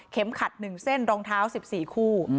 ขัด๑เส้นรองเท้า๑๔คู่